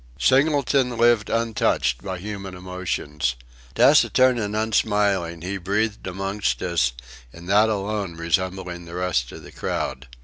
Singleton lived untouched by human emotions. Taciturn and unsmiling, he breathed amongst us in that alone resembling the rest of the crowd.